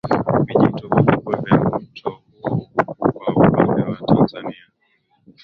Vijito vikubwa vya mto huu kwa upande wa Tanzania